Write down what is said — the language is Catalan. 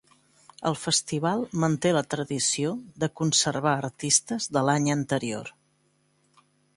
El festival manté la tradició de conservar artistes de l’any anterior.